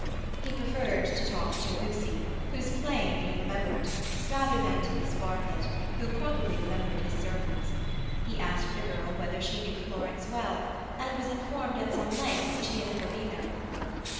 He preferred to talk to Lucy, whose playing he remembered, rather than to Miss Bartlett, who probably remembered his sermons. He asked the girl whether she knew Florence well, and was informed at some length that she had never been there before.